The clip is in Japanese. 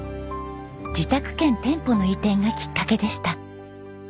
自宅兼店舗の移転がきっかけでした。